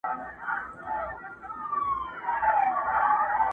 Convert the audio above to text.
د مینو اسوېلیو ته دي پام دی،